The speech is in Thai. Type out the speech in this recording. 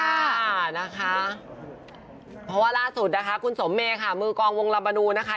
เพราะว่าล่าสุดนะคะคุณสมเมค่ะมือกองวงลามนูนะคะ